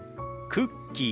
クッキー。